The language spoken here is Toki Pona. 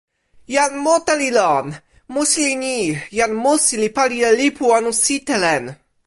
jan mute li lon！musi li ni: jan musi li pali e lipu anu sitelen.